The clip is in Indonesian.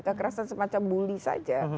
kekerasan semacam bully saja